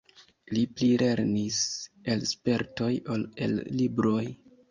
Li pli lernis el spertoj ol el libroj.